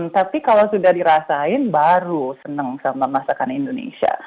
tapi kalau sudah dirasain baru senang sama masakan indonesia